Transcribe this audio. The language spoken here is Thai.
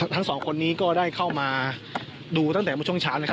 ทั้งสองคนนี้ก็ได้เข้ามาดูตั้งแต่เมื่อช่วงเช้านะครับ